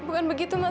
bukan begitu mas